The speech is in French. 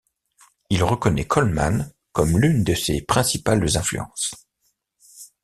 Il reconnaît Coleman comme l'une de ses principales influences.